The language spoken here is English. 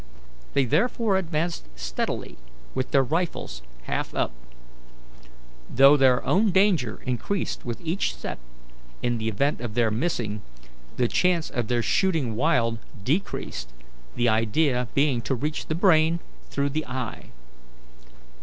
They therefore advanced steadily with their rifles half up. Though their own danger increased with each step, in the event of their missing, the chance of their shooting wild decreased, the idea being to reach the brain through the eye.